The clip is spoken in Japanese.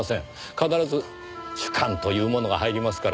必ず主観というものが入りますからねえ。